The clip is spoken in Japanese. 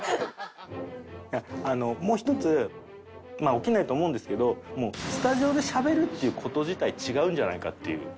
もう一つまあ起きないと思うんですけどスタジオでしゃべるっていう事自体違うんじゃないかっていう。